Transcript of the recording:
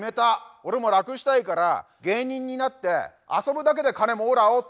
俺も楽したいから芸人になって遊ぶだけで金もらおっと」。